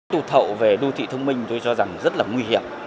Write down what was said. tù thậu về đô thị thông minh tôi cho rằng rất là nguy hiểm